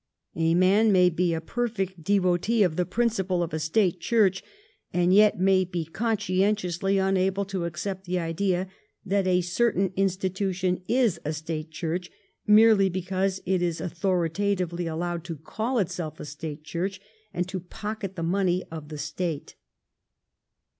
A man may be a per fect devotee of the principle of a State Church, and yet may be conscientiously unable to accept the idea that a certain institution is a State Church merely because it is authoritatively allowed to call itself a State Church, and to pocket the money of the State.